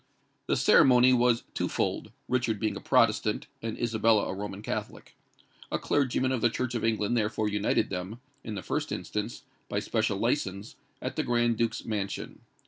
The ceremony was twofold, Richard being a Protestant and Isabella a Roman Catholic. A clergyman of the Church of England therefore united them, in the first instance, by special licence, at the Grand Duke's mansion.